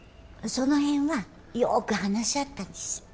そのへんはよく話し合ったんです。